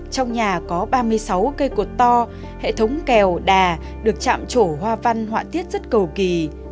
trong nhà có ba mươi sáu cây cột to hệ thống kèo đà được chạm trổ hoa văn họa tiết rất cầu kỳ